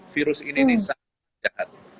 virus ini sangat jahat